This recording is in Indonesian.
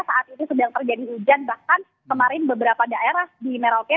saat ini sedang terjadi hujan bahkan kemarin beberapa daerah di merauke